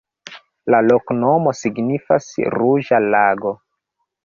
La loknomo signifas: ruĝa lago.